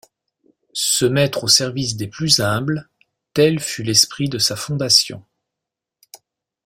Se mettre au service des plus humbles, tel fut l'esprit de sa fondation.